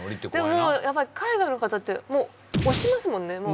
でもやっぱり海外の方って押しますもんね。